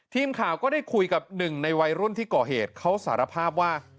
ทีมข่าวก็ได้คุยกับหนึ่งในวัยรุ่นที่ก่อเหตุเขาสารภาพว่า